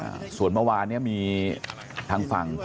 ลูกสาวหลายครั้งแล้วว่าไม่ได้คุยกับแจ๊บเลยลองฟังนะคะ